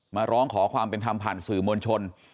มาร้องขอความเป็นธรรมผ่านสื่อมวลชน